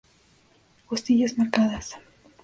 Costillas marcadas.